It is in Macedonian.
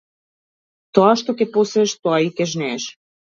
Тоа што ќе посееш тоа и ќе жнееш.